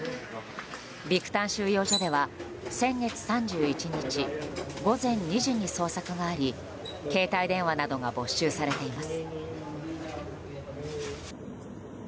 ビクタン収容所では先月３１日午前２時に捜索があり携帯電話などが没収されています。